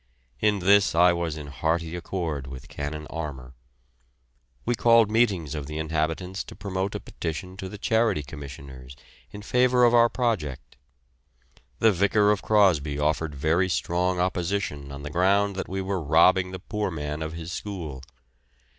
In this I was in hearty accord with Canon Armour. We called meetings of the inhabitants to promote a petition to the Charity Commissioners in favour of our project. The Vicar of Crosby offered very strong opposition on the ground that we were robbing the poor man of his school.